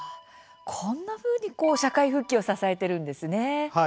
こんなふうに社会復帰を支えているんですね。